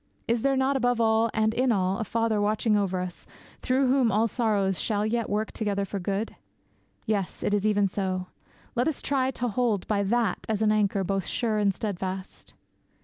Is there not above all, and in all, a Father watching over us, through whom all sorrows shall yet work together for good? Yes, it is even so. Let us try to hold by that as an anchor both sure and steadfast.'